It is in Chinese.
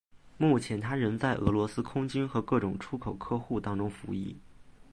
目前它仍在俄罗斯空军和各种出口客户当中服役。